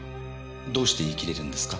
どうして言いきれるんですか？